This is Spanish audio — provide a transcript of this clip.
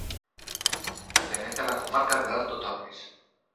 Pertenece a la comarca del Alto Tormes.